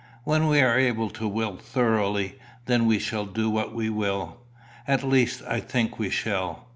When we are able to will thoroughly, then we shall do what we will. At least, I think we shall.